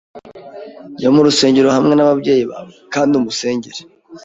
Jya mu rusengero hamwe n'ababyeyi bawe kandi umusengere.